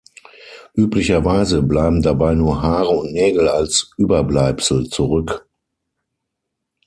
Üblicherweise bleiben dabei nur Haare und Nägel als Überbleibsel zurück.